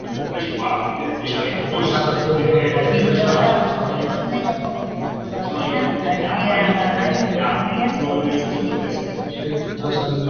Piktogramak eguneroko kontzeptuak era adierazgarriaz aurkezten dituzte.